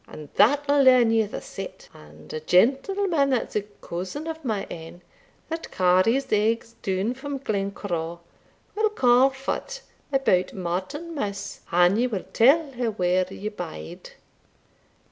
and that'll learn ye the sett and a gentleman, that's a cousin o' my ain, that carries eggs doun frae Glencroe, will ca' for't about Martimas, an ye will tell her where ye bide.